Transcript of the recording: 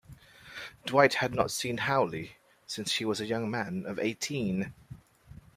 Dwight had not seen Hawley since he was a young man of eighteen.